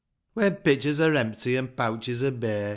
I. HEN pitchers are empty an' pouches are bare